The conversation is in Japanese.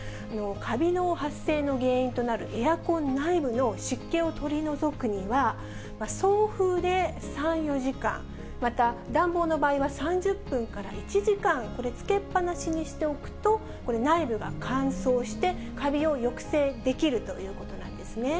カビの発生の原因となるエアコン内部の湿気を取り除くには、送風で３、４時間、また、暖房の場合は３０分から１時間、これ、つけっぱなしにしておくと、これ、内部が乾燥して、カビを抑制できるということなんですね。